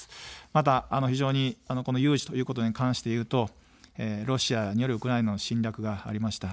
また非常に、この有事ということに関して言うと、ロシアによるウクライナの侵略がありました。